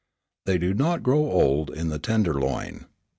They do not grow old in the Tenderloin.